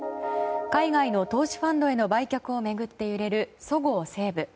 海外の投資ファンドへの売却を巡って揺れるそごう・西武。